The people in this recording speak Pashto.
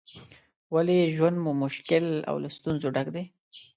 ولې ژوند مو مشکل او له ستونزو ډک دی؟